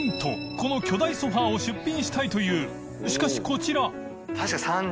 この巨大ソファを出品したいという磴靴こちら緑川）